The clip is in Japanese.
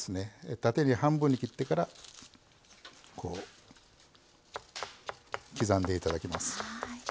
縦に半分に切ってからこう刻んでいただきます。